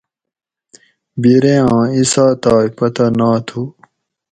بیرے آں ایساتائ پتہ ناتھو